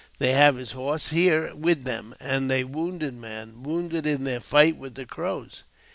They have his horse here with them, and a wounded man — wounded in their fight with the Crows."